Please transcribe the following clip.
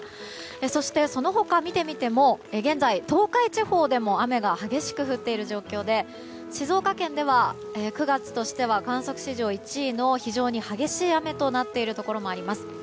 そして、その他を見てみても現在、東海地方でも雨が激しく降っている状況で静岡県では９月としては観測史上１位の非常に激しい雨となっているところもあります。